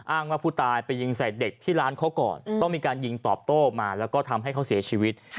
ว่าผู้ตายไปยิงใส่เด็กที่ร้านเขาก่อนต้องมีการยิงตอบโต้มาแล้วก็ทำให้เขาเสียชีวิต